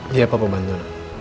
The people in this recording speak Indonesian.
ya papa bantu